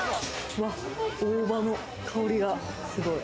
大葉の香りがすごい。